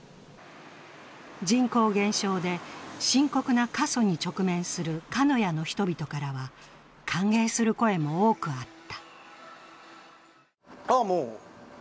人口減少で深刻な過疎に直面する鹿屋の人々からは歓迎する声も多くあった。